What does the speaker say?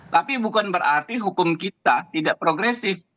tapi bukan berarti hukum kita tidak progresif